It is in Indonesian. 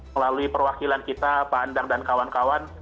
melalui perwakilan kita pak endang dan kawan kawan